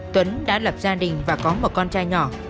tuấn đã lập gia đình và có một con trai nhỏ